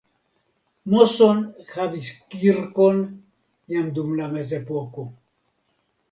Moson havis kirkon jam dum la mezepoko.